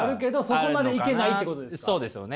そこまでいけないってことですか？